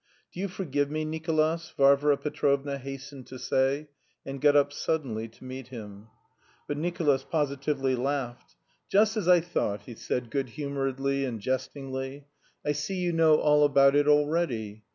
"Do you forgive me, Nicolas?" Varvara Petrovna hastened to say, and got up suddenly to meet him. But Nicolas positively laughed. "Just as I thought," he said, good humouredly and jestingly. "I see you know all about it already.